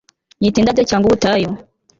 nyita indabyo cyangwa ubutayu